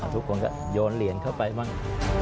ทุกคนก็โยนเหรียญเข้าไปบ้าง